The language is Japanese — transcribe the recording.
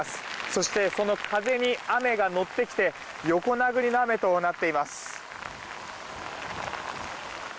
そして、その風に雨が乗ってきて横殴りの雨となっています。